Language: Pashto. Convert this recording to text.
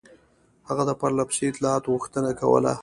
هغه د پرله پسې اطلاعاتو غوښتنه کوله.